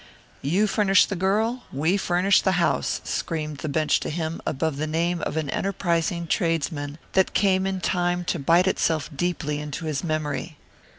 "You furnish the Girl, We furnish the House," screamed the bench to him above the name of an enterprising tradesman that came in time to bite itself deeply into his memory.